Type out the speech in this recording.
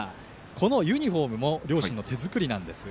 このユニフォームも両親の手作りなんです。